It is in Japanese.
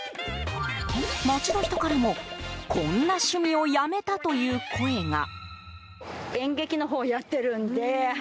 街の人からも、こんな趣味をやめたという声が。